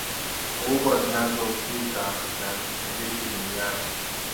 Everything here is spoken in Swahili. kubwa zinazohusika na mziki duniani